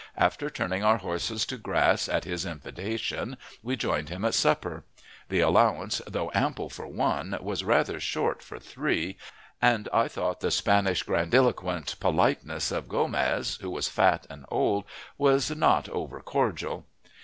After turning our horses to grass, at his invitation we joined him at supper. The allowance, though ample for one, was rather short for three, and I thought the Spanish grandiloquent politeness of Gomez, who was fat and old, was not over cordial.